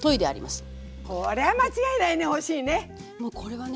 これは間違いないねおいしいね。